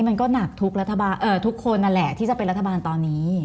มันก็หนักทุกรัฐบาลทุกคนนั่นแหละที่จะเป็นรัฐบาลตอนนี้